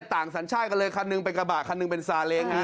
สัญชาติกันเลยคันหนึ่งเป็นกระบะคันหนึ่งเป็นซาเล้งฮะ